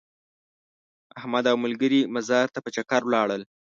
احمد او ملګري مزار ته په چکر ولاړل.